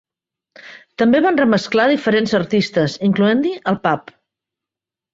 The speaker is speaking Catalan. També van remesclar diferents artistes, incloent-hi Pulp.